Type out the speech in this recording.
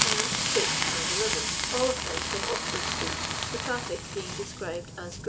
10, 6, and 11, all of them from Oxford street, the traffic being described as ' Great.